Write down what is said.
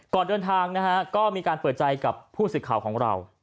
ก่อนเดินทางนะฮะก็มีการเปิดใจกับผู้สื่อข่าวของเรา